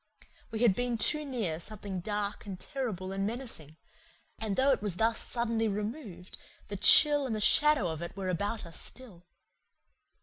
We had been too near something dark and terrible and menacing; and though it was thus suddenly removed the chill and shadow of it were about us still.